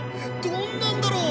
どんなんだろう？